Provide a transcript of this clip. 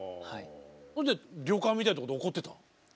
ほんで旅館みたいなところで怒ってた？